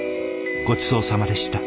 ごちそうさまでした。